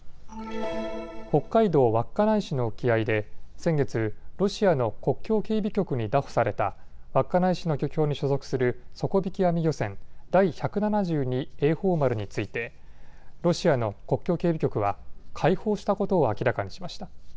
北海道稚内市の沖合で先月、ロシアの国境警備局に拿捕された稚内市の漁協に所属する底引き網漁船、第百七十二榮寳丸についてロシアの国境警備局は解放したことを明らかにしました。